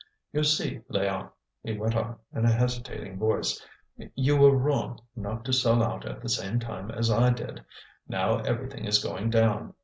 "You see, Léon," he went on, in a hesitating voice, "you were wrong not to sell out at the same time as I did; now everything is going down.